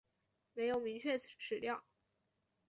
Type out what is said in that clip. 没有明确史料